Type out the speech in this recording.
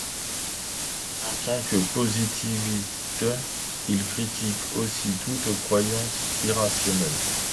En tant que positiviste, il critique aussi toute croyance irrationnelle.